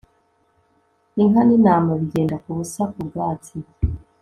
inka n'intama bigenda kubusa kubwatsi